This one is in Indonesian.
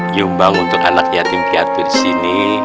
nyumbang untuk anak yatim pihak pihak di sini